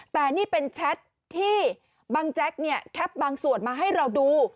แต่นี่เป็นแชทที่บางแจ๊กเนี่ยแคปบางส่วนมาให้เราดู